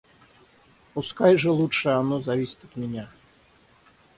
Пускай же лучше оно зависит от меня.